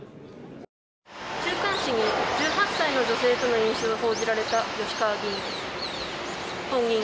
週刊誌に１８歳の女性との飲酒が報じられた吉川議員。